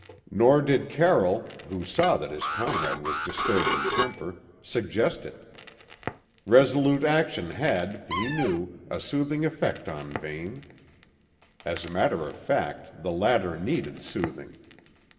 Nor did Carroll, who saw that his comrade was disturbed in temper, suggest it: resolute action had, he knew, a soothing effect on Vane. As a matter of fact, the latter needed soothing.